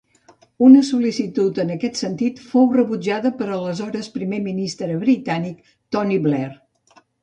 Una sol·licitud en aquest sentit fou rebutjada per l'aleshores Primer Ministre britànic, Tony Blair.